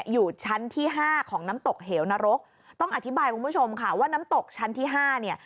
อยู่ชั้นที่ห้าของน้ำตกเหวนรกต้องอธิบายคุณผู้ชมค่ะว่าน้ำตกชั้นที่ห้าเนี่ย